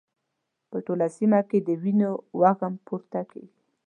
په ټوله سيمه کې د وینو وږم پورته کېږي.